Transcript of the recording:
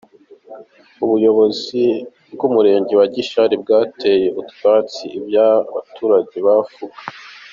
Ubuyobozi bw’umurenge wa Gishari bwateye utwatsi ibyo abaturage bavuga.